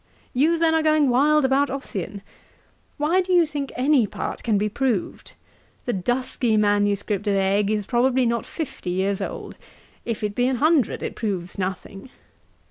'You then are going wild about Ossian. Why do you think any part can be proved? The dusky manuscript of Egg is probably not fifty years old; if it be an hundred, it proves nothing.